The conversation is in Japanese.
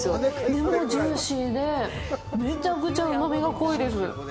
でも、ジューシーでめちゃくちゃうまみが濃いです。